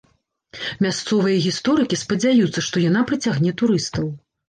Мясцовыя гісторыкі спадзяюцца, што яна прыцягне турыстаў.